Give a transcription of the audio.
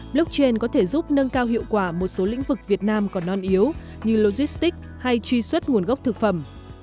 blockchain có thể giúp nâng cao hiệu quả một số lĩnh vực việt nam còn non yếu như logistics hay truy xuất nguồn gốc thực phẩm